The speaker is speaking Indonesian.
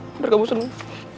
nanti kamu seneng